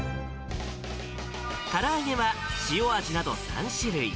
から揚げは塩味など３種類。